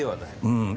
うん。